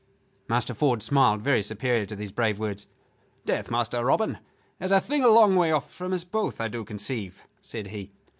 Master Ford smiled very superior to these brave words. "Death, Master Robin, is a thing a long way off from us both, I do conceive," said he.